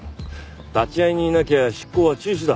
立会人いなきゃ執行は中止だ。